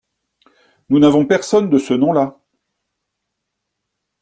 Nous n’avons personne de ce nom-là.